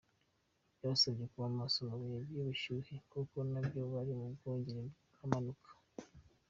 Yabasabye kuba maso mu bihe by’ubushyuhe kuko nabwo buri mu byongera imanuka.